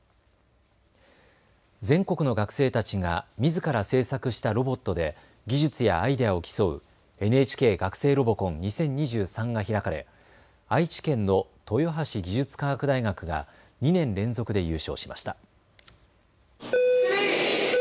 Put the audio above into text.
全国の学生たちがみずから製作したロボットで技術やアイデアを競うＮＨＫ学生ロボコン２０２３が開かれ愛知県の豊橋技術科学大学が２年連続で優勝しました。